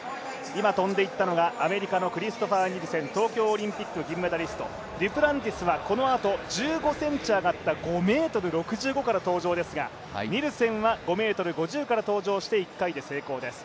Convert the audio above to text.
今跳んでいったのがアメリカのクリストファー・ニルセン、デュプランティスはこのあと１５ｃｍ上がったところから登場ですがニルセンは５ｍ５０から登場して１回で成功です。